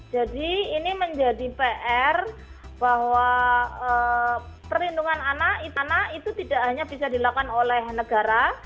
jadi ini menjadi pr bahwa perlindungan anak itu tidak hanya bisa dilakukan oleh negara